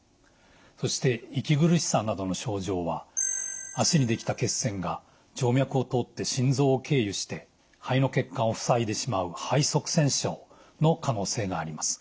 そして息苦しさなどの症状は脚にできた血栓が静脈を通って心臓を経由して肺の血管をふさいでしまう肺塞栓症の可能性があります。